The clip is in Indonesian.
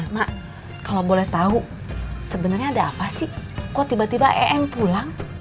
mak kalau boleh tahu sebenarnya ada apa sih kok tiba tiba em pulang